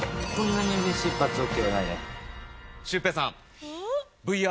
シュウペイさん。